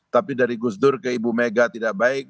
tapi dari gus dur ke ibu mega tidak baik